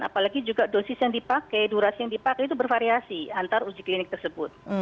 apalagi juga dosis yang dipakai durasi yang dipakai itu bervariasi antar uji klinik tersebut